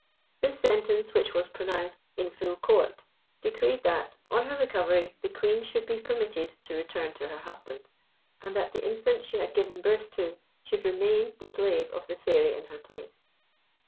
This sentence, which was pronounced in full court, decreed that, on her recovery, the Queen should be permitted to return to her husband, and that the infant she had given birth to should remain the slave of the Fairy in her place.